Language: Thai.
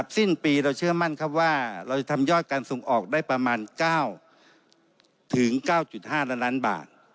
สิ้นปีเราเชื่อมั่นครับว่าเราจะทำยอดการส่งออกได้ประมาณ๙๙๕ล้านล้านบาท